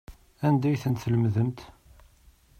Anda ay tent-tlemdemt?